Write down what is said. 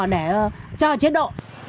để trò chế độ